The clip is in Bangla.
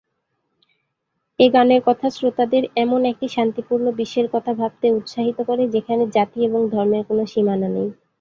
এ গানের কথা শ্রোতাদের এমন একটি শান্তিপূর্ণ বিশ্বের কথা ভাবতে উৎসাহিত করে, যেখানে জাতি এবং ধর্মের কোনো সীমানা নেই।